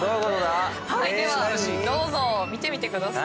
⁉ではどうぞ見てみてください。